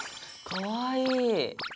かわいい。